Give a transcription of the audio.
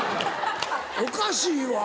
おかしいわ。